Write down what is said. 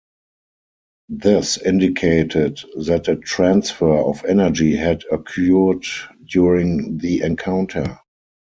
This indicated that a transfer of energy had occurred during the encounter.